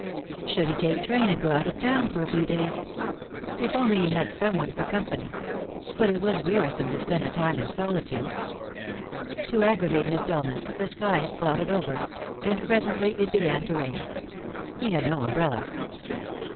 Should he take train and go out of town for a few days? If only he had some one for company; but it was wearisome to spend the time in solitude. To aggravate his dulness, the sky had clouded over, and presently it began to rain. He had no umbrella.